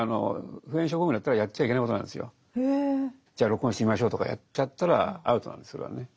じゃあ録音してみましょうとかやっちゃったらアウトなんですそれはね。